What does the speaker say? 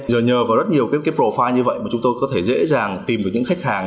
giờ nhờ vào rất nhiều cái profi như vậy mà chúng tôi có thể dễ dàng tìm được những khách hàng